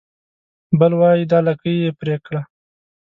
بل وای دا لکۍ يې پرې کړه